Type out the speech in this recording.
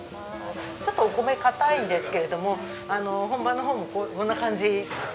ちょっとお米硬いんですけれども本場のほうもこんな感じ。